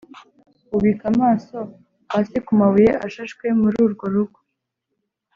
bubika amaso hasi ku mabuye ashashwe muru rwo rugo